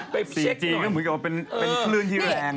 ไปเช็คหน่อย